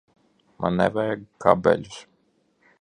Man nevajag kabeļus.